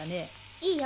いいよ。